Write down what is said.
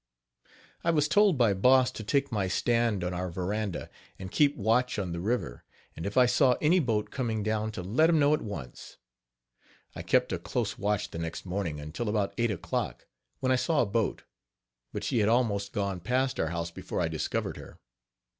H2> I was told by Boss to take my stand on our veranda, and keep watch on the river, and if I saw any boat coming down to let him know at once. I kept a close watch the next morning until about eight o'clock, when I saw a boat, but she had almost gone past our house before I discovered her.